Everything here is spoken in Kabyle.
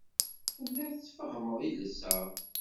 Telliḍ tfehhmeḍ iles-a.